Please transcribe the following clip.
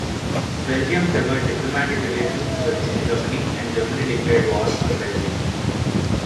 Belgium severed diplomatic relations with Germany and Germany declared war on Belgium.